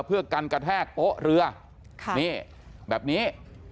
เพื่อกันกระแทกโป๊ะเรือนี่แบบนี้